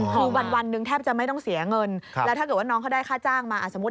คือวันวันหนึ่งแทบจะไม่ต้องเสียเงิน